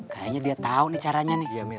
kayanya dia tau nih caranya nih